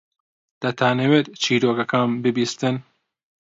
دەتانەوێت چیرۆکەکەم ببیستن؟